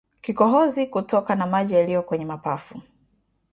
Kikohozi kutoka na maji yaliyo kwenye mapafu